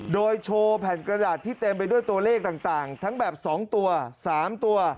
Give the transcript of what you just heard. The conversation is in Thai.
โดยโชว์แผ่นกระดาษที่เต็มไปด้วยตัวเลขต่างทั้งแบบ๒ตัว๓ตัว